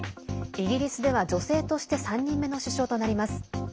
イギリスでは女性として３人目の首相となります。